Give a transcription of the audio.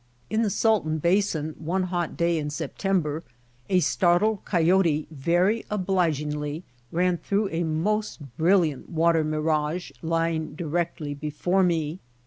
In the Salton Basin one hot day in September a startled coyote very obligingly ran through a most brilliant water mirage lying directly be fore me.